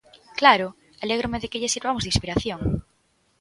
¡Claro, alégrome de que lle sirvamos de inspiración!